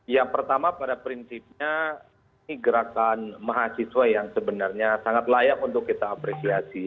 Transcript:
yang pertama pada prinsipnya ini gerakan mahasiswa yang sebenarnya sangat layak untuk kita apresiasi